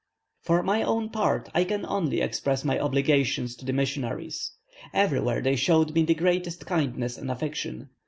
For my own part, I can only express my obligations to the missionaries; everywhere they showed me the greatest kindness and attention.